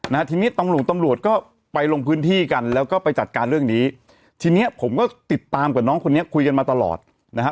นะฮะทีนี้ตำรวจก็ไปลงพื้นที่กันแล้วก็ไปจัดการเรื่องนี้ทีเนี้ยผมก็ติดตามกับน้องคนนี้คุยกันมาตลอดนะฮะ